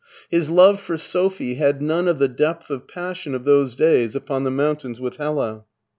His love for Sophie had none of the depth of passion of those days upon the mountains with Hella.